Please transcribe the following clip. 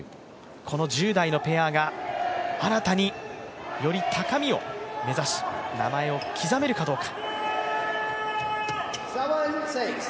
この１０代のペアが新たに、より高みを目指し名前を刻めるかどうか。